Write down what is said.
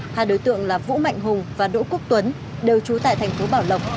hai đối tượng là vũ mạnh hùng và đỗ quốc tuấn đều trú tại thành phố bảo lộc